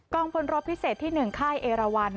งพลรบพิเศษที่๑ค่ายเอราวัน